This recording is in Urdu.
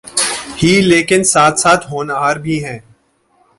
ہی لیکن ساتھ ساتھ ہونہار بھی ہیں۔